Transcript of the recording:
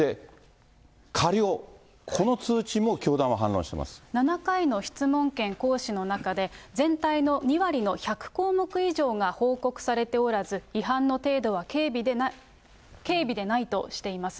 過料、７回の質問権行使の中で、全体の２割の１００項目以上が報告されておらず、違反の程度は軽微でないとしています。